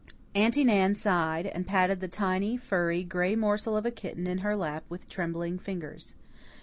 Aunty Nan sighed, and patted the tiny, furry, gray morsel of a kitten in her lap with trembling fingers.